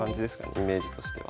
イメージとしては。